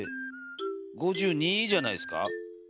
５２じゃないですか。